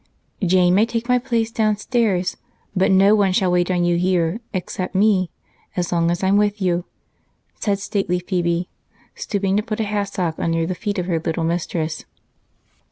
"Jane may take my place downstairs, but no one shall wait on you here except me, as long as I'm with you," said stately Phebe, stooping to put a hassock under the feet of her little mistress.